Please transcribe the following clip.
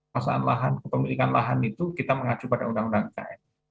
masaan lahan kepemilikan lahan itu kita mengacu pada undang undang ikn